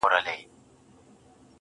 هغه چي هيڅوک نه لري په دې وطن کي.